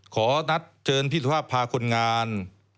ขอนัดเชิญพี่สุภาพพาคนงาน